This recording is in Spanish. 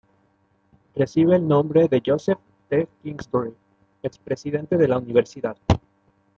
Recibe el nombre de Joseph T. Kingsbury, expresidente de la Universidad.